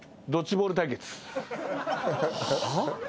はあ？